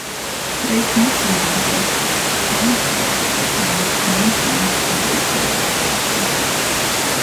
There is no Town Manager, a Town Clerk runs maintains the day-to-day operations.